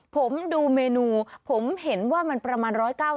ผมดูเมนูผมเห็นว่ามันประมาณ๑๙บาท